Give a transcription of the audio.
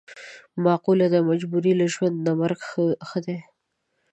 معقوله ده: د مجبورۍ له ژوند نه مرګ ښه دی.